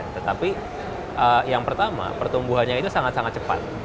tetapi yang pertama pertumbuhannya itu sangat sangat cepat